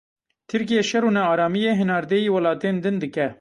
Tirkiye şer û nearamiyê hinardeyî welatên din dike.